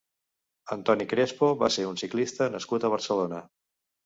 Antoni Crespo va ser un ciclista nascut a Barcelona.